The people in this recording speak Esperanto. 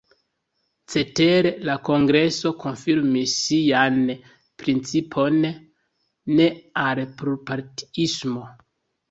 Cetere la kongreso konfirmis sian principon: ne al plurpartiismo.